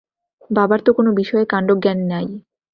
বাবার তো কোনো বিষয়ে কাণ্ডজ্ঞান নাই।